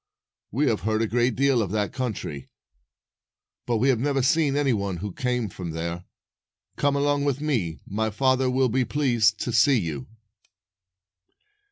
"We have heard a great deal of that country, but we have never seen any one who came from there. Come along with me. My father will be pleased to see you."